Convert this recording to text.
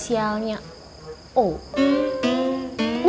tidak ada yang bisa dikira